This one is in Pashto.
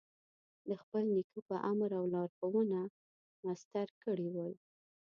د خپل نیکه په امر او لارښوونه مسطر کړي ول.